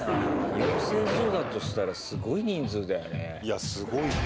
養成所だとしたらすごい人数だよね。